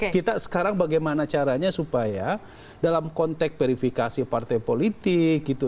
kita sekarang bagaimana caranya supaya dalam konteks verifikasi partai politik gitu